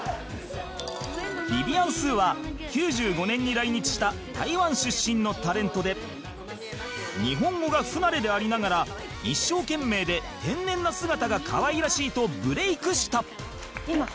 ビビアン・スーは９５年に来日した台湾出身のタレントで日本語が不慣れでありながら一生懸命で天然な姿が可愛らしいとブレイクした